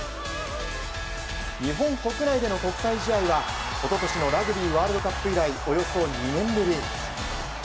日本国内での国際試合は一昨年のラグビーワールドカップ以来およそ２年ぶり。